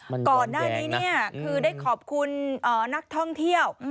มันก่อนแยกนะก่อนหน้านี้คือได้ขอบคุณนักท่องเที่ยว